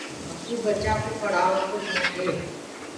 مڪوُ ٻچآنٚ ڪوُ ڦرهآووآ ڪو شونڪ هي۔